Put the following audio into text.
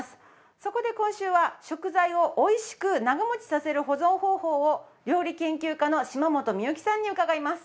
そこで今週は食材を美味しく長持ちさせる保存方法を料理研究家の島本美由紀さんに伺います。